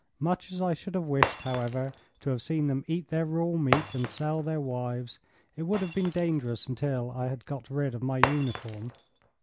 Much as I should have wished, however, to have seen them eat their raw meat and sell their wives, it would have been dangerous until I had got rid of my uniform.